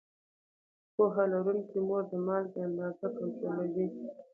پوهه لرونکې مور د مالګې اندازه کنټرولوي.